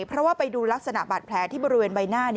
เพราะว่าไปดูลักษณะบาดแผลที่บริเวณใบหน้า